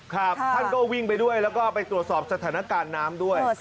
ครับท่านก็วิ่งไปด้วยแล้วก็ไปตรวจสอบสถานการณ์น้ำด้วย